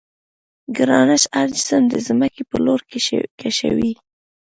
ګرانش هر جسم د ځمکې پر لور کشوي.